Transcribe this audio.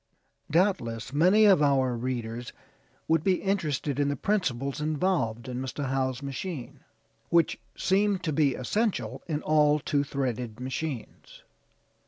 Doubtless many of our readers would be interested in the principles involved in Mr. Howe's machine; which seem to be essential in all two threaded machines.